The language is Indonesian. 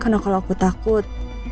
karena kalau aku takut